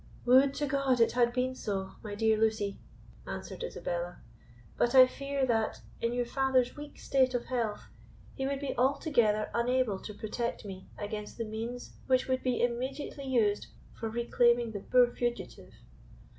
"Would to God it had been so, my dear Lucy!" answered Isabella; "but I fear, that, in your father's weak state of health, he would be altogether unable to protect me against the means which would be immediately used for reclaiming the poor fugitive."